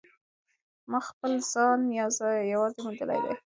ملا خپل ځان یوازې موندلی دی.